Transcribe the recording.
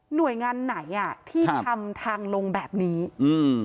หน่วยงานไหนอ่ะที่ทำทางลงแบบนี้อืม